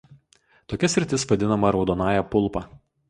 Tokia sritis vadinama "raudonąja pulpa".